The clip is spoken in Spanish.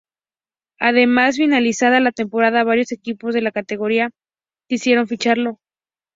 Además, finalizada la temporada, varios equipos de la categoría quisieron ficharlo.